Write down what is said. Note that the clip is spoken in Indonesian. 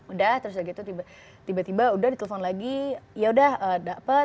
udah terus lagi tuh tiba tiba udah di telfon lagi yaudah dapet